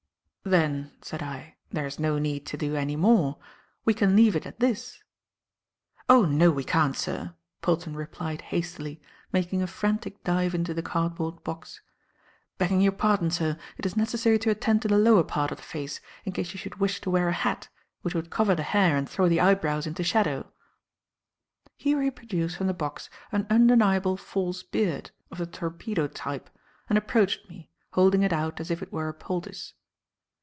"Then," said I, "there's no need to do any more. We can leave it at this." "Oh, no we can't, sir," Polton replied hastily, making a frantic dive into the cardboard box. "Begging your pardon, sir, it is necessary to attend to the lower part of the face, in case you should wish to wear a hat, which would cover the hair and throw the eyebrows into shadow." Here he produced from the box an undeniable false beard of the torpedo type and approached me, holding it out as if it were a poultice.